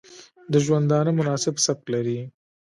د ژوندانه مناسب سبک لري